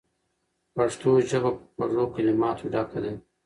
پښتو ژبه په خوږو کلماتو ډکه ده.